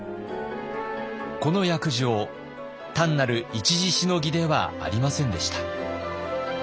この約定単なる一時しのぎではありませんでした。